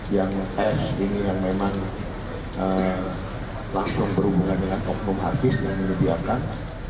yang s ini yang memang langsung berhubungan dengan oknum artis yang menyediakan